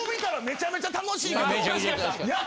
めちゃめちゃ楽しかった。